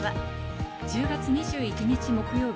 １０月２１日、木曜日。